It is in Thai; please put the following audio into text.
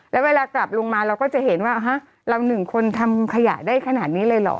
แล้วเวลากลับลงมาเราก็จะเห็นว่าฮะเราหนึ่งคนทำขยะได้ขนาดนี้เลยเหรอ